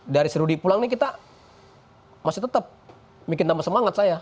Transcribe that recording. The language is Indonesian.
dari seru dipulang nih kita masih tetep bikin nama semangat saya